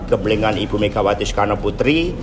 gemblengan ibu mega watyuskarno putri